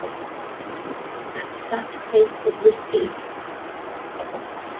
At that case of whiskey?